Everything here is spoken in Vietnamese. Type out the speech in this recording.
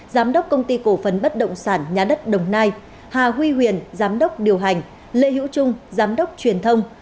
giám đốc công ty cổ phấn bất động sản nhà đất đồng nai hà huy huyền giám đốc điều hành lê hữu trung giám đốc truyền thông